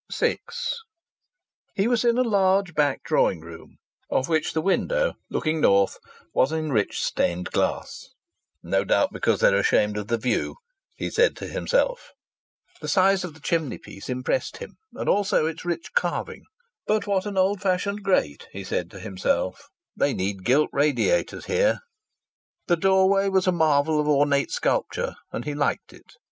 VI He was in a large back drawing room, of which the window, looking north, was in rich stained glass. "No doubt because they're ashamed of the view," he said to himself. The size of the chimneypiece impressed him, and also its rich carving. "But what an old fashioned grate!" he said to himself. "They need gilt radiators here." The doorway was a marvel of ornate sculpture, and he liked it.